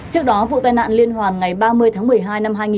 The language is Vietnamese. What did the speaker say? trước đó vụ tai nạn liên hoàn ngày ba mươi tháng một mươi hai